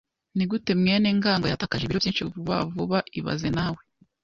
Nigute mwene ngango yatakaje ibiro byinshi vuba vuba ibaze nawe